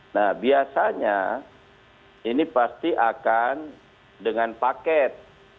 nah biasanya ini pasti akan dengan paket